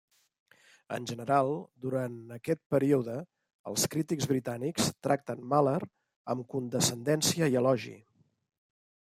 En general, durant aquest període, els crítics britànics tracten Mahler amb condescendència i elogi.